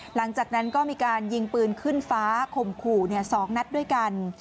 หลังจากนั้นก็มีการยิงปืนขึ้นฟ้าข่มขู่๒นัดด้วยกัน